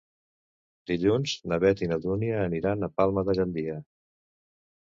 Dilluns na Beth i na Dúnia aniran a Palma de Gandia.